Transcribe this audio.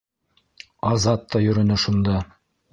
Азат та йөрөнө шунда.